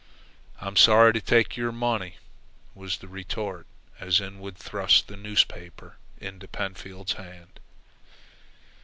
"I am sorry to take your money," was the retort, as Inwood thrust the newspaper into Pentfield's hand.